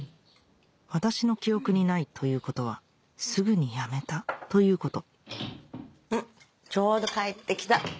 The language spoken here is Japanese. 私の記憶にないということはすぐにやめたということちょうど帰ってきた。